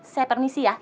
saya permisi ya